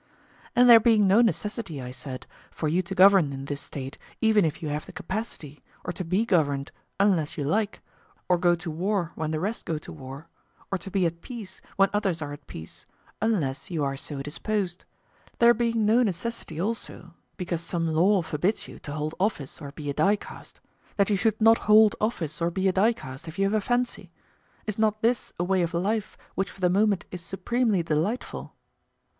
And there being no necessity, I said, for you to govern in this State, even if you have the capacity, or to be governed, unless you like, or go to war when the rest go to war, or to be at peace when others are at peace, unless you are so disposed—there being no necessity also, because some law forbids you to hold office or be a dicast, that you should not hold office or be a dicast, if you have a fancy—is not this a way of life which for the moment is supremely delightful?